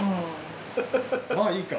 まぁいいか？